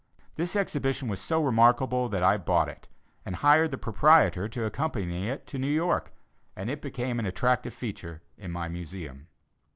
This exhibition was so remarkable that I bought it and hired the proprietor to accompany it to New York, and it became an attractive feature in my Museum.